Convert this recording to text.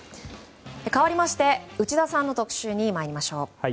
かわりまして内田さんの特集に参ります。